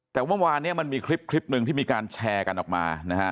แต่เมื่อวานเนี่ยมันมีคลิปหนึ่งที่มีการแชร์กันออกมานะฮะ